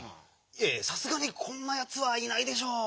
いやいやさすがにこんなやつはいないでしょう。